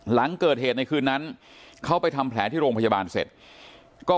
หลังเกิดเหตุในคืนนั้นเขาไปทำแผลที่โรงพยาบาลเสร็จก็